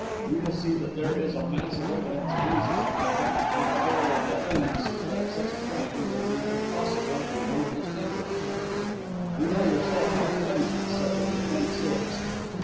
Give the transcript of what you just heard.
You will see that there is a mass of evidence against him, and practically the whole defence is that such a crime would be impossible to one of his temperament. You know yourself how flimsy such a defence is.